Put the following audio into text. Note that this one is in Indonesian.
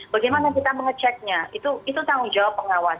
bagaimana kita mengeceknya itu tanggung jawab pengawas